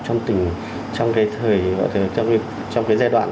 trong cái giai đoạn